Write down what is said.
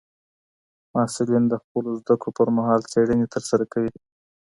محصلین د خپلو زده کړو پر مهال څېړني ترسره کوي.